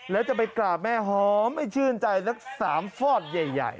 แล้วจะไปกราบแม่หอมชื่นใจแล้วก็สามฟอสใหญ่